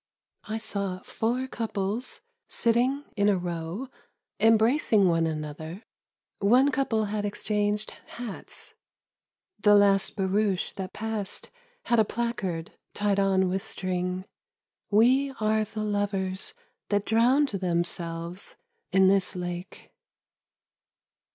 I saw four couples sitting in a row .... embracing one another .... One couple had exchanged hats .... The last barouche that passed had a placard tied on with string —" We are the lovers that drowned them selves in this lake."